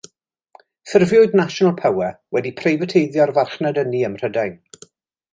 Ffurfiwyd National Power wedi preifateiddio'r farchnad ynni ym Mhrydain.